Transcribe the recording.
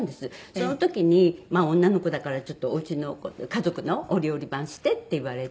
その時に女の子だからちょっとおうちの家族のお料理番してって言われて。